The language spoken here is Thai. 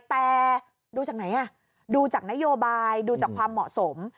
แต่ดูจากไหนดูจากนโยบายดูจากความเหมาะสม